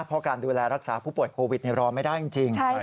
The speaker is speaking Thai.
เพราะการดูแลรักษาผู้ป่วยโควิดรอไม่ได้จริง